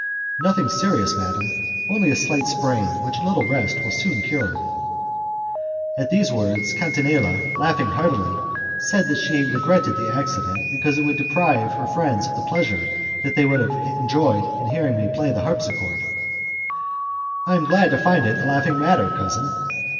"Nothing serious, madam; only a slight sprain which a little rest will soon cure." At these words, Catinella, laughing heartily, said that she regretted the accident because it would deprive her friends of the pleasure they would have enjoyed in hearing me play the harpsichord. "I am glad to find it a laughing matter, cousin."